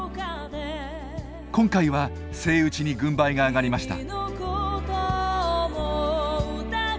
今回はセイウチに軍配が上がりました。